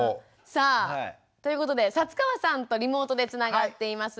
さあということで薩川さんとリモートでつながっています。